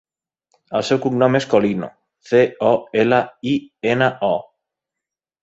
El seu cognom és Colino: ce, o, ela, i, ena, o.